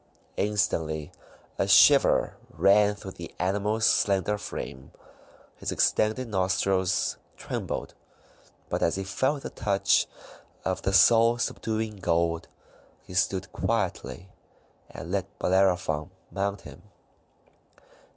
Instantly a shiver ran through the animal's slender frame, his distended nostrils trembled; but as he felt the touch of the soul subduing gold, he stood quietly and let Bellerophon mount him.